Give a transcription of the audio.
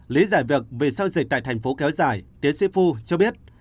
lý giải việc vì sao dịch tại thành phố kéo dài tiến sĩ phu cho biết